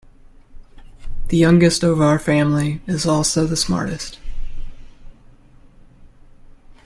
The youngest of our family is also the smartest.